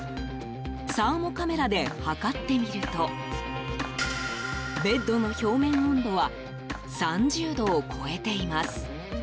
サーモカメラで測ってみるとベッドの表面温度は３０度を超えています。